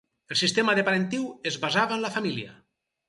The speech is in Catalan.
El sistema de parentiu es basava en la família.